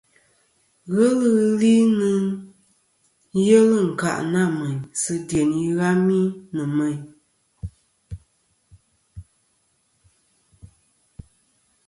Ghelɨ ghɨ li nɨn yelɨ ɨ̀nkâʼ nâ mèyn sɨ dyeyn tɨghami nɨ̀ mêyn.